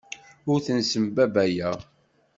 Ur ten-ssembabbayeɣ.